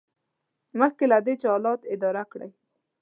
مخکې له دې چې حالات اداره کړئ.